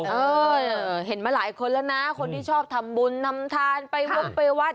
เออเห็นมาหลายคนแล้วนะคนที่ชอบทำบุญนำทานไปวงไปวัด